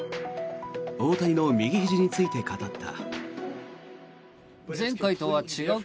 大谷の右ひじについて語った。